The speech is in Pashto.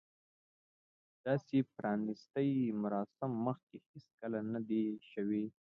داسې د پرانیستې مراسم مخکې هیڅکله نه دي شوي.